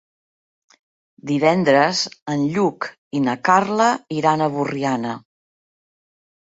Divendres en Lluc i na Carla iran a Borriana.